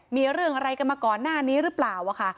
มีเรื่องอะไรกันมาก่อนหน้านี้หรือเปล่าค่ะ